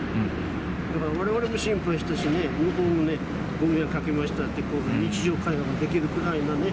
だからわれわれも心配したしね、向こうもね、ご迷惑おかけしましたって、日常会話ができるくらいなね。